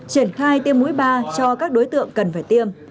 triển khai tiêm mũi ba cho các đối tượng cần phải tiêm